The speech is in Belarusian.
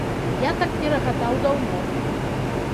Я так не рагатаў даўно!